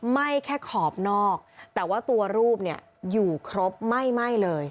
ไหม้แค่ขอบนอกแต่ว่าตัวรูปเนี่ยอยู่ครบไหม้เลย